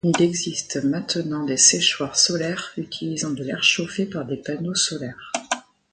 Il existe maintenant des séchoirs solaires utilisant de l'air chauffé par des panneaux solaires.